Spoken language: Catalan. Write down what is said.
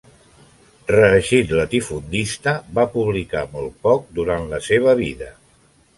Reeixit latifundista, va publicar molt poc durant la seva vida.